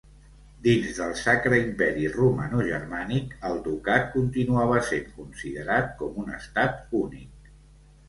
Dins del Sacre Imperi Romanogermànic, el ducat continuava sent considerat com un estat únic.